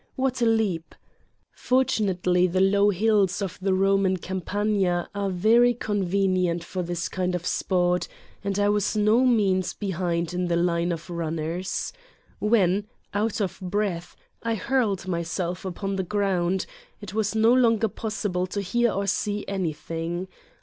What a leap I ( Fortunately the low hills of the Roman Cam pagna are very convenient for this kind of sport and I was no means behind in the line of runners. When, out of breath, I hurled myself upon the ground, it was no longer possible to hear or see anything.